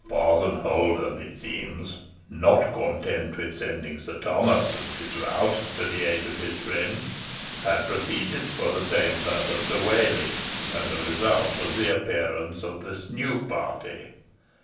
"Parson Holden, it seems, not content with sending Sir Thomas and his rout to the aid of his friends, had proceeded for the same purpose to Whalley, and the result was the appearance of the new party.